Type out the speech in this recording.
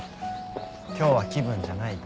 今日は気分じゃないって。